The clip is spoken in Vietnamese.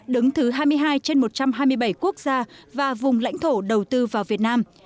đứng thứ hai mươi hai trên một trăm hai mươi bảy quốc gia và vùng lãnh thổ đầu tư vào việt nam